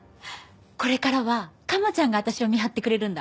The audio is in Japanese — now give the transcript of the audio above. これからは鴨ちゃんが私を見張ってくれるんだ。